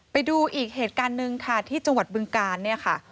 ไปดูอีกเหตุการณ์หนึ่งค่ะที่จังหวัดบึงกาลเนี่ยค่ะ